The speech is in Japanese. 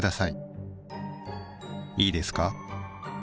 いいですか？